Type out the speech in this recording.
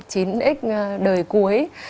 chín ít đời cuối